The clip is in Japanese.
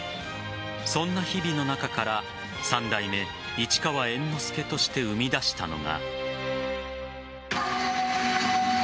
そんな日々の中から三代目市川猿之助として生み出したのが。